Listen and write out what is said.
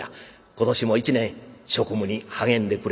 今年も一年職務に励んでくれ」。